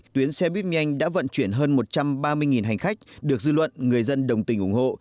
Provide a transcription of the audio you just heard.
tuyến xe buýt nhanh đã vận chuyển hơn một trăm ba mươi hành khách được dư luận người dân đồng tình ủng hộ